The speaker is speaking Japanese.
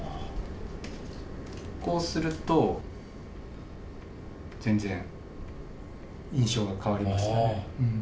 こうすると全然印象が変わりますよね。